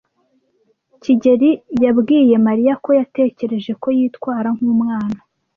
kigeli yabwiye Mariya ko yatekereje ko yitwara nkumwana.